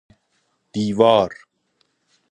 دیوار